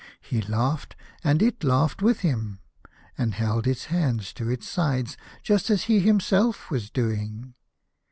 He laughed, and it laughed with him, and held its hands to its sides, just as he himself was doing.